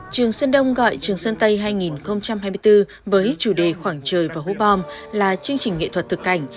trường sơn đông gọi trường sơn tây hai nghìn hai mươi bốn với chủ đề khoảng trời và hố bom là chương trình nghệ thuật thực cảnh